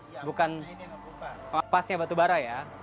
ini bukan batu bara yang terlihat seperti ini